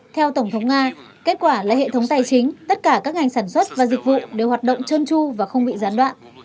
theo tổng thống nga kết quả là hệ thống tài chính tất cả các ngành sản xuất và dịch vụ đều hoạt động trơn tru và không bị gián đoạn